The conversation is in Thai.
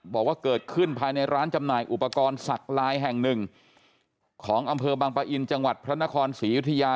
บอกว่าเกิดขึ้นภายในร้านจำหน่ายอุปกรณ์ศักดิ์ลายแห่งหนึ่งของอำเภอบังปะอินจังหวัดพระนครศรียุธยา